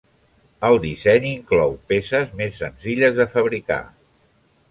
El disseny inclou peces més senzilles de fabricar.